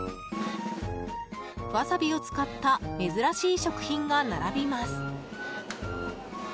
ワサビを使った珍しい食品が並びます。